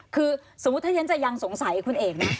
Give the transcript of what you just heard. คือสมมุติถ้าฉันจะยังสงสัยคุณเอกไหม